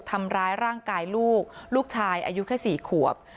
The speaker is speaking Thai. ทำร้ายร่างกายลูกลูกชายอายุแค่๔ขวบ